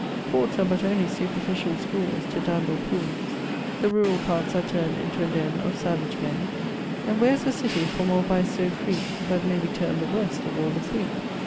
Courts are but onely superficiall scholes To dandle fooles; The rurall parts are turn'd into a den Of savage men; And wher's a city from all vice so free, But may be term'd the worst of all the three?